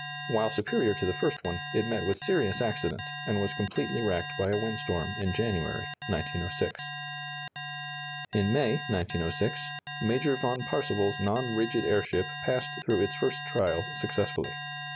While superior to the first one, it met with serious accident, and was completely wrecked by a windstorm in January, 1906. In May, 1906, Major von Parseval's non rigid airship passed through its first trials successfully.